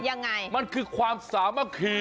ยังไงมันคือความสามารถขี่